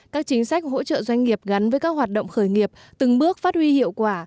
các chính sách hỗ trợ doanh nghiệp gắn với các hoạt động khởi nghiệp từng bước phát huy hiệu quả